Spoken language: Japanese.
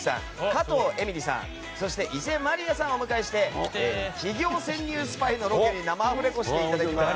加藤英美里さんそして伊瀬茉莉也さんをお迎えして企業潜入スパイのロケに生アフレコしていただきます。